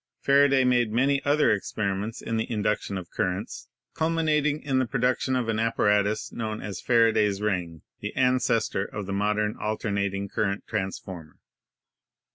Faraday made many other experiments in the induction of cur rents, culminating in the production of an apparatus known as Faraday's ring, the ancestor of the modern al ternating current transformer.